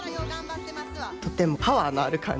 とてもパワーのある感じ。